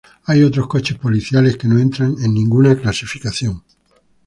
Hay otros coches policiales que no entran en ninguna clasificación.